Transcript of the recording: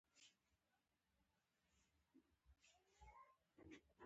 موږ باید له سکرین هاخوا وګورو.